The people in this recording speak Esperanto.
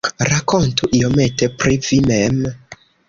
Rakontu iomete pri vi mem.